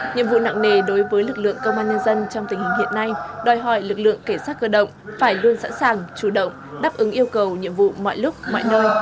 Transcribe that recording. nhiệm vụ nặng nề đối với lực lượng công an nhân dân trong tình hình hiện nay đòi hỏi lực lượng kỵ binh phải luôn sẵn sàng chủ động đáp ứng yêu cầu nhiệm vụ mọi lúc mọi nơi